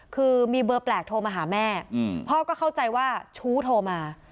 คือมีเบอร์แปลกโทรมาหาแม่พ่อก็เข้าใจว่าชู้โทรมา